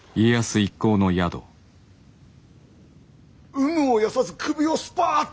有無を言わさず首をスパッと！